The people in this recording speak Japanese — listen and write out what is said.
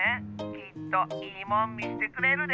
きっと「いいもん」みせてくれるで。